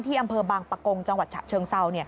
อำเภอบางปะกงจังหวัดฉะเชิงเซา